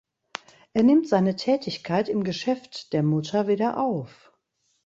Er nimmt seine Tätigkeit im Geschäft der Mutter wieder auf.